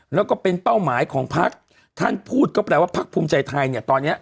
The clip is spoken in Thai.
แล้วก็เป็นเป้าหมายของพักท่านพูดก็แปลว่าพักภูมิใจไทยเนี่ยตอนเนี้ย